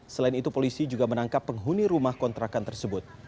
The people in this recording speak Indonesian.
selain itu polisi juga menangkap penghuni rumah kontrakan tersebut